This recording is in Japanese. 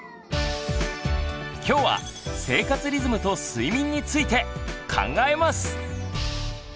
きょうは生活リズムと睡眠について考えます！